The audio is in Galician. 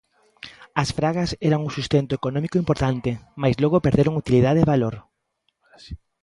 As fragas eran un sustento económico importante mais logo perderon utilidade e valor.